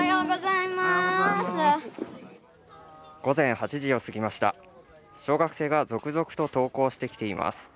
午前８時を過ぎました小学生が続々と登校してきています。